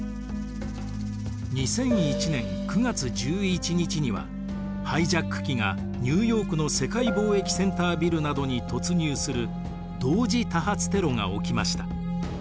２００１年９月１１日にはハイジャック機がニューヨークの世界貿易センタービルなどに突入する同時多発テロが起きました。